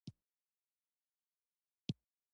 هېڅ شی ترلاسه نه شو.